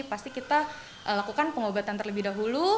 pasti kita lakukan pengobatan terlebih dahulu